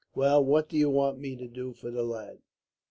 "'Well, what do you want me to do for the lad?'